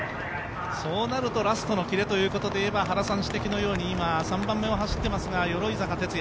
そうなると、ラストのキレということでいえば今、３番目を走っていますが鎧坂。